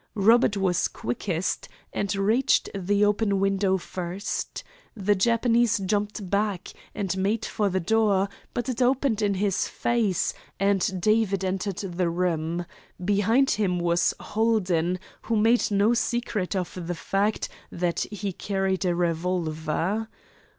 Robert was quickest, and reached the open window first. The Japanese jumped back and made for the door, but it opened in his face, and David entered the room. Behind him was Holden, who made no secret of the fact that he carried a revolver.